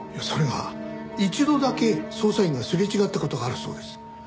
それが一度だけ捜査員がすれ違った事があるそうです。